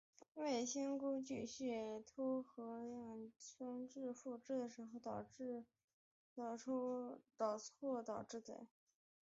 微卫星估计是脱氧核糖核酸复制的时候出错导致的。